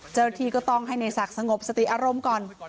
เจ้าหน้าที่ก็ต้องให้ในศักดิ์สงบสติอารมณ์ก่อน